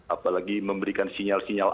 apalagi memberikan sinyal sinyal